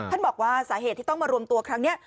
บอกว่าสาเหตุที่ต้องมารวมตัวครั้งนี้